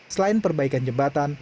selain perbaikan jembatan